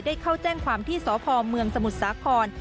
เข้าแจ้งความที่สพเมืองสมุทรสาคร